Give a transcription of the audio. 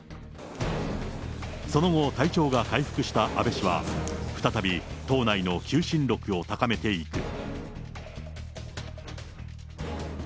その後、体調が回復した安倍氏は、再び、党内の求心力を高めていく。